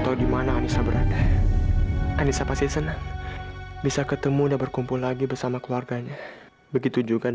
tidak ingat sekarang kan kamu udah milik evita